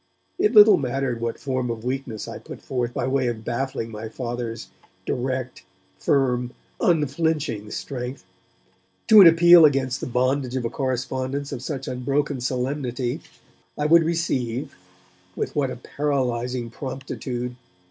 It little mattered what form of weakness I put forth by way of baffling my Father's direct, firm, unflinching strength. To an appeal against the bondage of a correspondence of such unbroken solemnity I would receive with what a paralysing promptitude!